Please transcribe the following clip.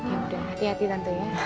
yaudah hati hati tante ya